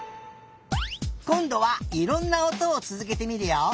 こんどはいろんなおとをつづけてみるよ。